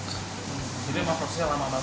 jadi memang prosesnya lama lama